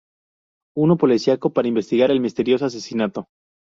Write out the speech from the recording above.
Uno policíaco, para investigar el misterioso asesinato.